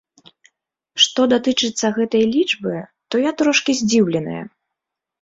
Што датычыцца гэтай лічбы, то я трошкі здзіўленая.